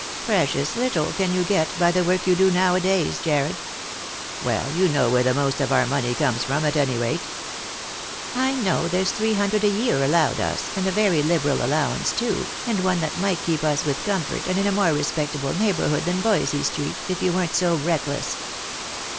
" Precious little can you get by the work you do nowadays, Jarred." " Well, you know where the most of our money comes from, at any rate." " I know there's three hundred a year allowed us— and a very liberal allowance too, and one that might keep us with comfort, and in a more respectable neighbourhood than Voysey street, if you weren't so reckless."